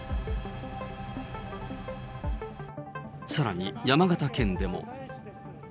さらに山形県でも。